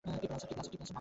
কি plan, sir?